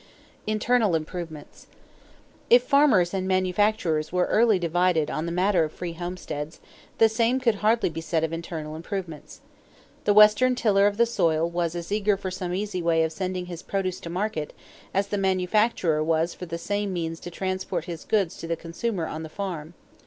=Internal Improvements.= If farmers and manufacturers were early divided on the matter of free homesteads, the same could hardly be said of internal improvements. The Western tiller of the soil was as eager for some easy way of sending his produce to market as the manufacturer was for the same means to transport his goods to the consumer on the farm.